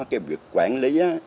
cái việc quản lý